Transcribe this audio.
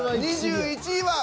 ２１位は？